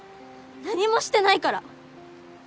何もしてないから。